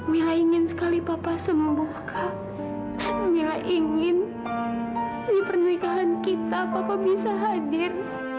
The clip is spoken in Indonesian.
mila ingin sekali papa sembuh kak mila ingin di pernikahan kita papa bisa hadir